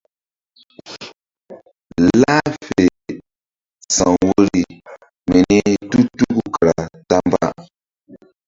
Lah fe sa̧w woyri mini tu tuku kara ta mba.